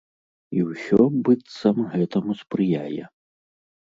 І ўсё, быццам, гэтаму спрыяе.